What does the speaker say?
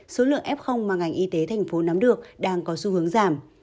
số lượng f mà ngành y tế tp hcm nắm được đang có xu hướng giảm